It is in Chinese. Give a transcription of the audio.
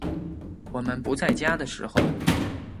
我们不在家的时候